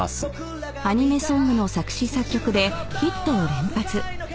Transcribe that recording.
［アニメソングの作詞作曲でヒットを連発］